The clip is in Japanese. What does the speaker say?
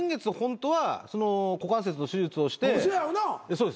そうです。